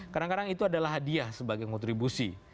kadang kadang itu adalah hadiah sebagai kontribusi